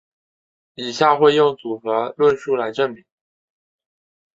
以下会用组合论述来证明。